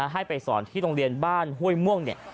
ให้ไปสอนที่โรงเรียนบ้านห้วยม่วงเนี่ย